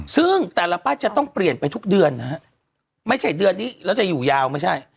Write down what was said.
ซึ่งแต่ละป้ายจะต้องเปลี่ยนไปทุกเดือนนะฮะไม่ใช่เดือนนี้แล้วจะอยู่ยาวไม่ใช่